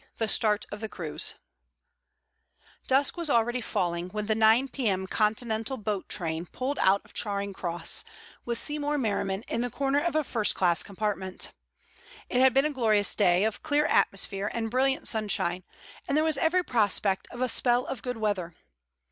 THE START OF THE CRUISE Dusk was already falling when the 9 p.m. Continental boat train pulled out of Charing Cross, with Seymour Merriman in the corner of a first class compartment. It had been a glorious day of clear atmosphere and brilliant sunshine, and there was every prospect of a spell of good weather.